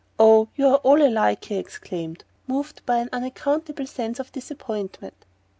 "Oh, you're all alike!" he exclaimed, moved by an unaccountable sense of disappointment.